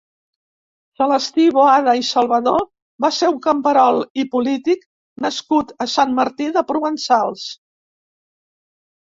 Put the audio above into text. Celestí Boada i Salvador va ser un camperol i polític nascut a Sant Martí de Provençals.